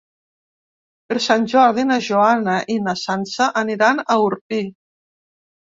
Per Sant Jordi na Joana i na Sança aniran a Orpí.